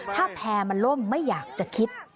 ถ้าแพร่มันล่มไม่อยากจะคิด